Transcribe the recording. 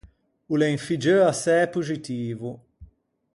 O l’é un figgeu assæ poxitivo.